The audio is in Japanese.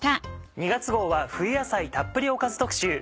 ２月号は冬野菜たっぷりおかず特集。